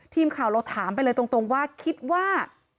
ทีมข่าวเราถามไปเลยตรงว่าคิดว่า